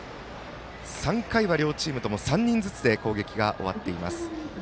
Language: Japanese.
３回は両チームとも３人で攻撃が終わっています。